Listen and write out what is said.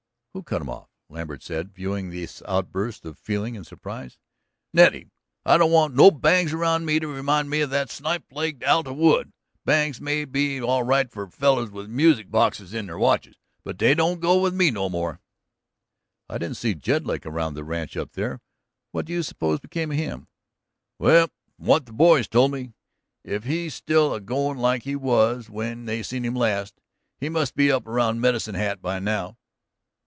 "Who cut 'em off?" Lambert asked, viewing this outburst of feeling in surprise. "Nettie! I don't want no bangs around me to remind me of that snipe legged Alta Wood. Bangs may be all right for fellers with music boxes in their watches, but they don't go with me no more." "I didn't see Jedlick around the ranch up there; what do you suppose become of him?" "Well, from what the boys told me, if he's still a goin' like he was when they seen him last, he must be up around Medicine Hat by now."